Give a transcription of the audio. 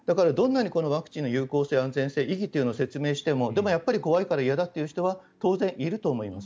ワクチンの有効性、安全性の意義を説明してもでもやっぱり怖いから嫌だという人は当然、いると思います。